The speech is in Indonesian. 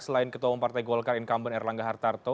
selain ketua umum partai golkar in kambun erlangga hartarto